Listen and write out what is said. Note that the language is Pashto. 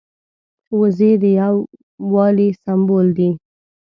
وزې د یو والي سمبول دي